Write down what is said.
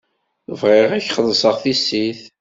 Bɣiɣ ad k-xellṣeɣ tissit.